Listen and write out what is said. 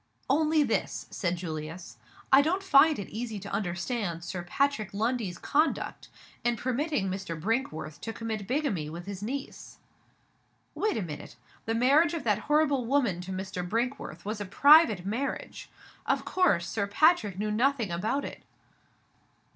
"Only this," said Julius. "I don't find it easy to understand Sir Patrick Lundie's conduct in permitting Mr. Brinkworth to commit bigamy with his niece." "Wait a minute! The marriage of that horrible woman to Mr. Brinkworth was a private marriage. Of course, Sir Patrick knew nothing about it!"